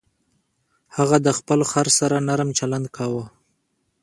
هغه د خپل خر سره نرم چلند کاوه.